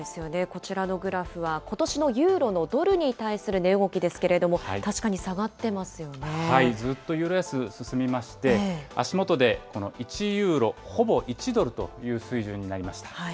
こちらのグラフは、ことしのユーロのドルに対する値動きですけれども、確かに下がっずっとユーロ安、進みまして、足元で１ユーロほぼ１ドルという水準になりました。